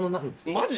マジ？